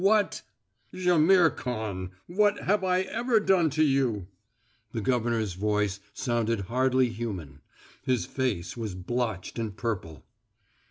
What " "Jaimihr Khan, what have I ever done to you!" The governor's voice sounded hardly human. His face was blotched and purple.